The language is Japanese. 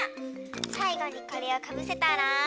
さいごにこれをかぶせたら。